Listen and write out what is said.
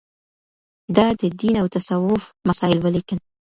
ده د دين او تصوف مسايل وليکل